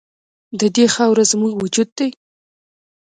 د دې خاوره زموږ وجود دی؟